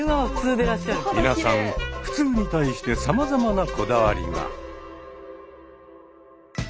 皆さん普通に対してさまざまなこだわりが。